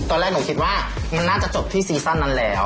ตอนแรกหนูคิดว่ามันน่าจะจบที่ซีซั่นนั้นแล้ว